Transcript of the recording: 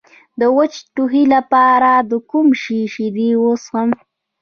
د وچ ټوخي لپاره د کوم شي شیدې وڅښم؟